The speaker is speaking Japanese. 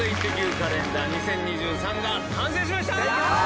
カレンダー２０２３が完成しました。